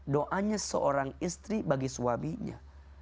doanya seorang istri bagi suaminya